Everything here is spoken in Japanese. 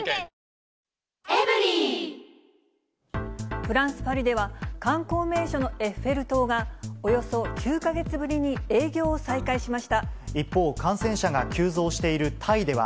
フランス・パリでは、観光名所のエッフェル塔が、およそ９か月ぶりに営業を再開し一方、感染者が急増しているタイでは、